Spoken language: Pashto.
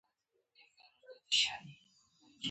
موږ سبقان وايو او بمان جوړوو.